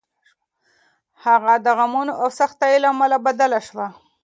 هغه د غمونو او سختیو له امله بدله شوه.